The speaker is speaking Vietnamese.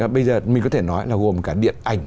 bây giờ mình có thể nói là gồm cả điện ảnh